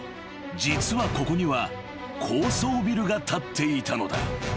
実はここには高層ビルが立っていたのだ］